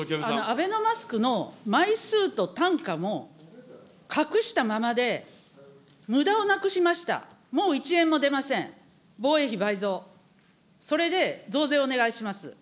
アベノマスクの枚数と単価も隠したままで、無駄をなくしました、もう一円も出ません、防衛費倍増、それで増税お願いします。